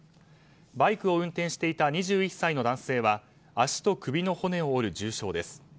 バイクを運転していた２１歳の男性は脚と首の骨を折る重傷です。